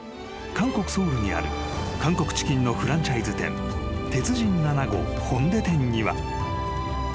［韓国ソウルにある韓国チキンのフランチャイズ店鉄人７号弘大店には］